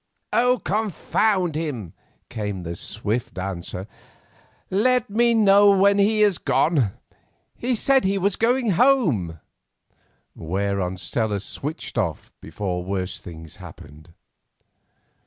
"Confound him," came the swift answer. "Let me know when he is gone. He said he was going home," whereon Stella switched off before worse things happened.